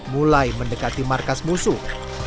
mulai mendekati markas musuh